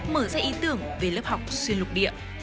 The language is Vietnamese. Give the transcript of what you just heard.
mở ra ý tưởng về lớp học xuyên lục địa